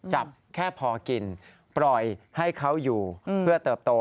จับแค่พอกินปล่อยให้เขาอยู่เพื่อเติบโต